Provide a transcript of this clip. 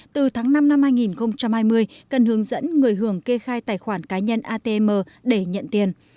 từ tháng năm năm hai nghìn hai mươi cần hướng dẫn người hưởng kê khai tài khoản cá nhân atm để nhận tiền